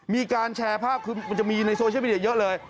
มีการแชร์ภาพคือมันจะมีในโซเชียลมีเดียเยอะเลย